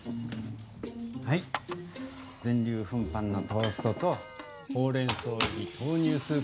はい、全粒粉パンのトーストとほうれんそう入り豆乳スープ。